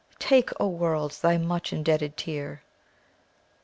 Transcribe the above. "Take, O world! thy much indebted tear!"